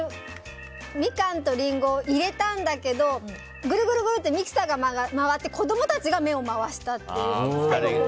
ミカンとリンゴを入れたんだけどぐるぐるってミキサーが回って子供たちが目を回したっていう。